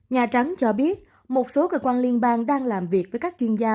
nhà trắng cho biết một số cơ quan liên bang đang làm việc với các chuyên gia